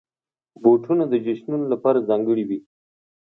بوټونه د جشنونو لپاره ځانګړي وي.